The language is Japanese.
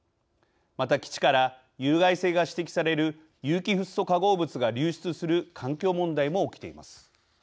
また基地から有害性が指摘される有機フッ素化合物が流出する環境問題も起きています。